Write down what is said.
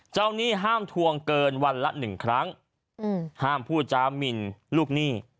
หนี้ห้ามทวงเกินวันละ๑ครั้งห้ามพูดจามินลูกหนี้